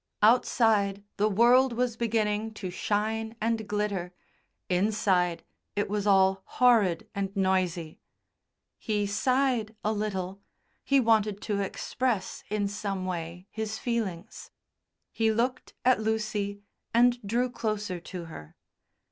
Outside the world was beginning to shine and glitter, inside it was all horrid and noisy. He sighed a little, he wanted to express in some way his feelings. He looked at Lucy and drew closer to her.